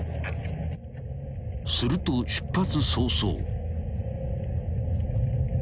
［すると出発早々］